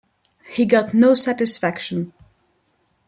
He got no satisfaction.